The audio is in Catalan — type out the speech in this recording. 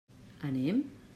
Anem?